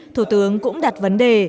thủ tướng cũng đặt vấn đề